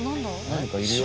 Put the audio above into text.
何かいるよ。